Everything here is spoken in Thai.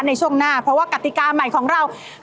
ในช่วงหน้าเพราะว่ากติกาใหม่ของเรา